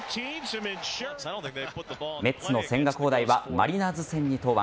メッツの千賀滉大はマリナーズ戦に登板。